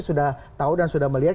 sudah tahu dan sudah melihat